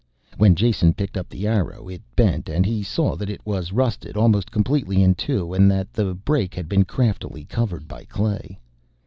When Jason picked up the arrow it bent, and he saw that it was rusted almost completely in two and that the break had been craftily covered by clay.